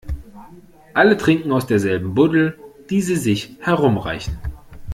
Alle trinken aus derselben Buddel, die sie sich herumreichen.